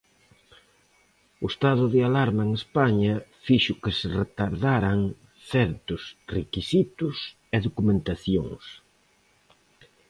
O estado de alarma en España fixo que se retardaran certos requisitos e documentacións.